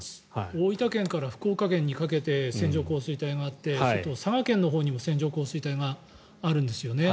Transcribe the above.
大分県から福岡県にかけて線状降水帯があって佐賀県のほうにも線状降水帯があるんですよね。